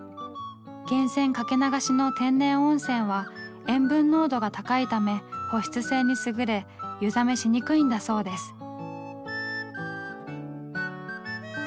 源泉掛け流しの天然温泉は塩分濃度が高いため保湿性に優れ湯冷めしにくいんだそうです。